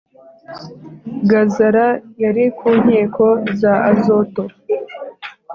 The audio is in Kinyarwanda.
gazara yari ku nkiko za azoto